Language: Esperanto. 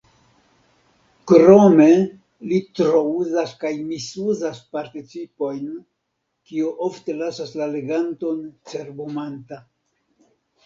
Krome, li trouzas kaj misuzas participojn, kio ofte lasas la leganton cerbumanta.